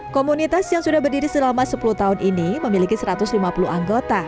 komunitas yang sudah berdiri selama sepuluh tahun ini memiliki satu ratus lima puluh anggota